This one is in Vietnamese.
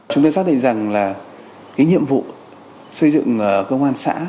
chúng tôi xác định rằng là cái nhiệm vụ xây dựng công an xã